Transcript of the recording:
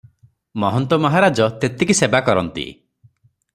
ମହନ୍ତ ମହାରାଜ ତେତିକି ସେବା କରନ୍ତି ।